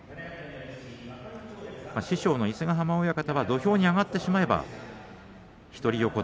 師匠の伊勢ヶ濱親方は土俵に上がってしまえば一人横綱